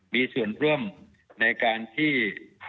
มีส่วนร่วมในการที่